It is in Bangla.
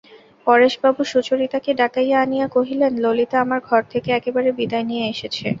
পরেশবাবু সুচরিতাকে ডাকাইয়া আনিয়া কহিলেন, ললিতা আমার ঘর থেকে একেবারে বিদায় নিয়ে এসেছে।